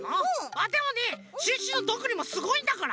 あっでもねシュッシュのどんぐりもすごいんだから。